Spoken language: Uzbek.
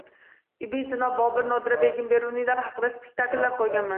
Ibn Sino, Bobur, Nodirabegim, Beruniylar haqida spektakllar qo‘yganman.